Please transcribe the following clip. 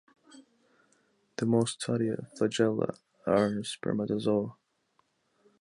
The most studied flagella are spermatozoa.